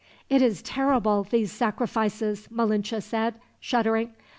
"It is terrible these sacrifices," Malinche said, shuddering.